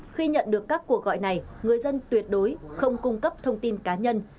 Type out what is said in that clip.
khi nhận được các cuộc gọi này người dân tuyệt đối không cung cấp thông tin cá nhân